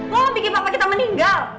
lo mau bikin papa kita meninggal